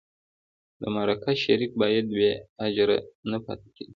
د مرکه شریک باید بې اجره نه پاتې کېږي.